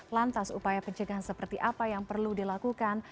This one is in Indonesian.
lantas upaya pencegahan seperti apa yang perlu dilakukan